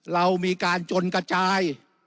เรามีการจนกระจาย